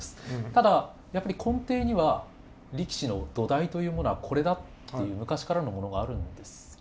ただやっぱり根底には力士の土台というものはこれだっていう昔からのものがあるんですか？